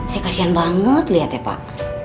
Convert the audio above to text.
saya kasian banget liat ya pak